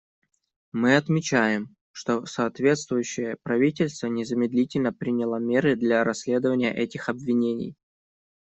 Мы отмечаем, что соответствующее правительство незамедлительно приняло меры для расследования этих обвинений.